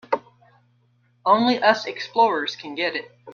Only us explorers can get it.